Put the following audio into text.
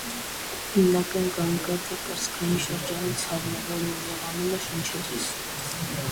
Հիմնական գանգատը կրծքային շրջանի ցավն է, որն ուժեղանում է շնչելիս։